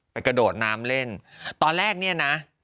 กระโดดน้ำเล่นตอนแรกเนี่ยนะ